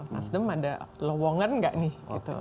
nasdem ada lowongan nggak nih